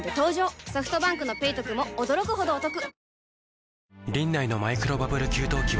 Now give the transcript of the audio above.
ソフトバンクの「ペイトク」も驚くほどおトク